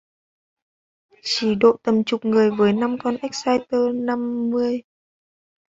Chỉ độ tầm chục người với năm con Exciter năm mươi